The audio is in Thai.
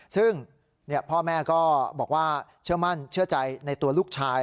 ซึ่งพ่อแม่ก็บอกว่าเชื่อมั่นเชื่อใจในตัวลูกชาย